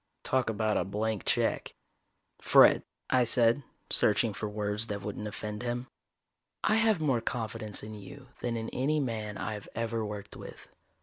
Talk about a blank check. "Fred," I said, searching for words that wouldn't offend him. "I have more confidence in you than in any man I've ever worked with.